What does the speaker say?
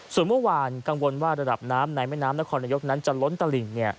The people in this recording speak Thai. ส่วนเมื่อวานกังวลว่าระดับน้ำในแม่น้ำนครนายกนั้นจะล้นตลิ่ง